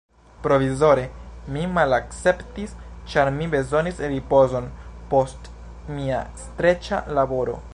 Provizore mi malakceptis, ĉar mi bezonis ripozon post mia streĉa laboro.